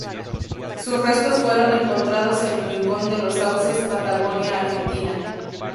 Sus restos fueron encontrados en Rincón de los Sauces, Patagonia, Argentina.